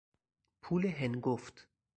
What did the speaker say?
پول هنگفت